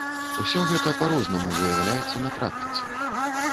Усё гэта па-рознаму выяўляецца на практыцы.